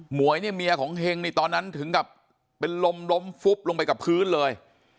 หวยเนี่ยเมียของเฮงนี่ตอนนั้นถึงกับเป็นลมล้มฟุบลงไปกับพื้นเลย